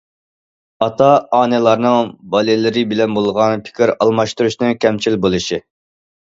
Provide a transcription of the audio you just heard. ئاتا- ئانىلارنىڭ بالىلىرى بىلەن بولغان پىكىر ئالماشتۇرۇشنىڭ كەمچىل بولۇشى.